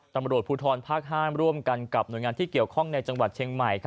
ตำรวจภูทรภาค๕ร่วมกันกับหน่วยงานที่เกี่ยวข้องในจังหวัดเชียงใหม่